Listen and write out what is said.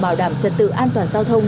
bảo đảm trật tự an toàn giao thông